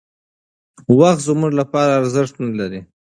وخت زموږ لپاره ارزښت نهلري.